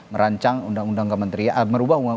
merancang undang undang kementerian merubah